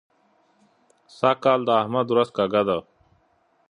سږ کال د احمد ورځ کږه ده.